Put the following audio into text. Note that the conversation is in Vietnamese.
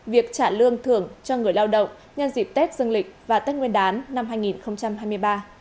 việc trả lương thưởng cho người lao động nhân dịp tết dương lịch và tết nguyên đán năm hai nghìn hai mươi ba